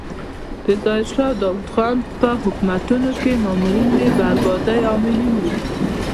د ظاهر شاه او داود خان په حکومتونو کې مامورین د بربادۍ عاملین وو.